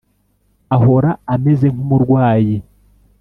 ahora ameze nk’umurwayi (